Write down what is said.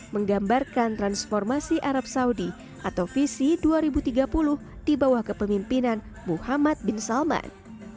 menggambarkan transformasi arab saudi atau visi dua ribu tiga puluh di bawah kepemimpinan muhammad bin salman